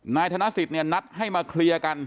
นายธนสิทธิเนี่ยนัดให้มาเคลียร์กัน